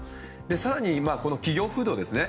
更に企業風土ですね。